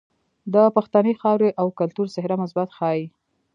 د پښتنې خاورې او کلتور څهره مثبت ښائي.